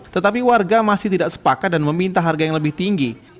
tetapi warga masih tidak sepakat dan meminta harga yang lebih tinggi